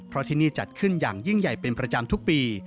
เพราะที่นี่จัดขึ้นอย่างยิ่งใหญ่เป็นประจำทุกปี